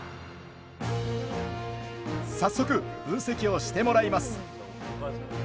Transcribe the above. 早速、分析をしてもらいます。